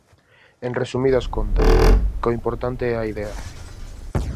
En resumidas contas que o imporante é a idea.